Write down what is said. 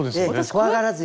怖がらずに。